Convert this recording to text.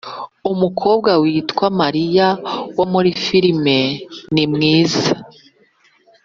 Umukobwa witwa Maria wo muri filime ni mwiza